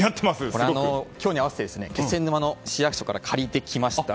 これ、今日に合わせて気仙沼の市役所から借りてきました。